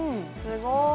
すごーい